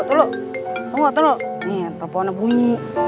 tunggu tunggu tunggu tunggu ini teleponnya bunyi